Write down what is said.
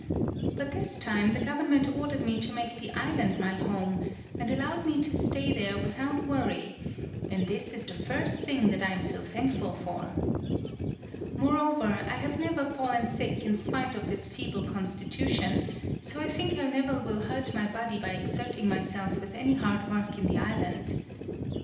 But this time the government ordered me to make the island my home, and allowed me to stay there without worry, and this is the first thing that I am so thankful for. More over, I never have fallen sick in spite of this feeble constitution, so I think I never will hurt my body by exerting myself with any hard work in the island.